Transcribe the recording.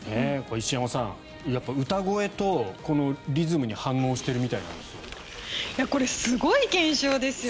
石山さん、歌声とこのリズムに反応しているみたいなんですよ。